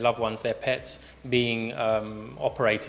anak anak mereka yang dioperasi